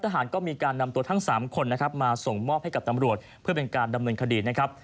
ทหารก็มีการนำตัวทั้ง๓คนนะครับมาส่งมอบให้กับตำรวจเพื่อเป็นการดำเนินคดีนะครับ